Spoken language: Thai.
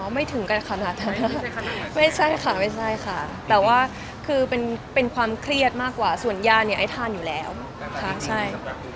ไม่ใช่ค่ะค่ะแต่ว่าคือเป็นความเครียดมากกว่าส่วนยานี้ไอ้ทานอยู่แล้วค่ะใช่